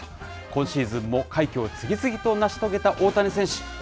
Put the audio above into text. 今シーズンも快挙を次々と成し遂げた大谷選手。